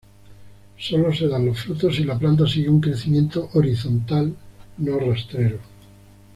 Sólo se dan los frutos si la planta sigue un crecimiento horizontal, no rastrero.